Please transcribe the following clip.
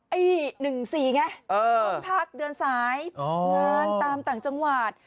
ไอ้หนึ่งสี่ไงเออพักเดินสายอ๋องานตามต่างจังหวัด